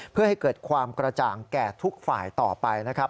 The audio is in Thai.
เพื่อให้เกิดความกระจ่างแก่ทุกฝ่ายต่อไปนะครับ